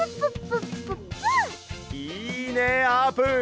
いいねあーぷん！